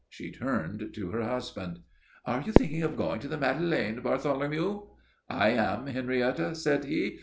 She turned to her husband. "Are you thinking of going to the Madeleine, Bartholomew?" "I am, Henrietta," said he.